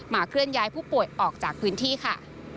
เคลื่อนย้ายผู้ป่วยออกจากพื้นที่ค่ะ